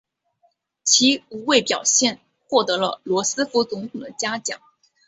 其无畏表现获得了罗斯福总统的嘉奖。